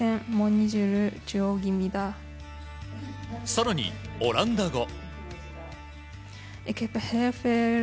更にオランダ語。